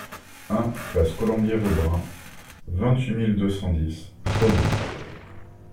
un place Colombier Vaubrun, vingt-huit mille deux cent dix Chaudon